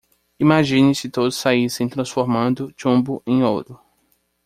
Imagine se todos saíssem transformando chumbo em ouro.